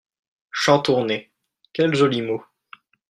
Chantournées, quel joli mot